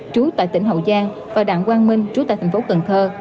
trú tại tỉnh hậu giang và đảng quang minh trú tại thành phố cần thơ